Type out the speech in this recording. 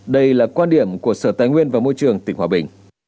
đây là quan điểm của sở tài nguyên và môi trường tỉnh hòa bình